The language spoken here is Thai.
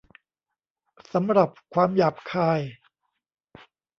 สำหรับ ความหยาบคาย ?